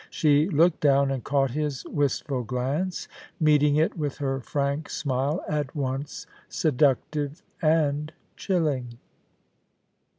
She looked down and caught his wistful glance, meeting it with her frank smile, at once seductive and chilling.